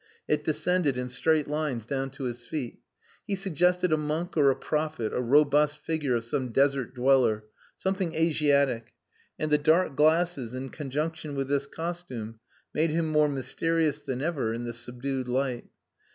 It descended in straight lines down to his feet. He suggested a monk or a prophet, a robust figure of same desert dweller something Asiatic; and the dark glasses in conjunction with this costume made him more mysterious than ever in the subdued light.